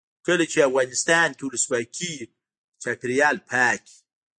کله چې افغانستان کې ولسواکي وي چاپیریال پاک وي.